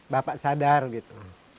bapak sadar gitu